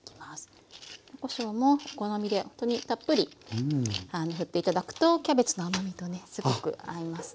黒こしょうもお好みでほんとにたっぷりふって頂くとキャベツの甘みとねすごく合いますので。